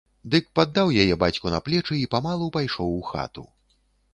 Дык паддаў яе бацьку на плечы й памалу пайшоў у хату.